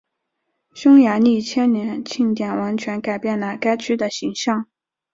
匈牙利千年庆典完全改变了该区的形象。